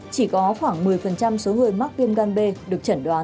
chỉ có khoảng một mươi số người mắc viêm gan b được chẩn đoán